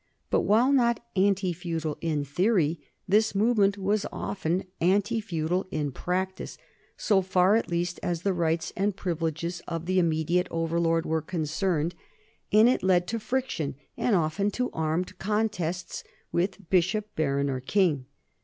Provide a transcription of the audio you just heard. But while not anti feudal in theory, this movement was often anti feudal in practice, so far at least as the rights and priv ileges of the immediate overlord were concerned, and it 160 NORMANS IN EUROPEAN HISTORY led to friction and often to armed contests with bishop, baron, or king.